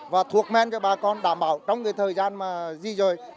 và thuộc men cho bà con đảm bảo trong thời gian di rời